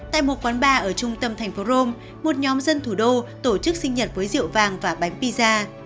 tại một quán bar ở trung tâm thành phố rome một nhóm dân thủ đô tổ chức sinh nhật với rượu vàng và bánh piza